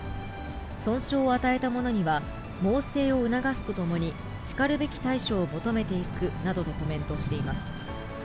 損傷を与えた者には猛省を促すとともに、しかるべき対処を求めていくなどとコメントしています。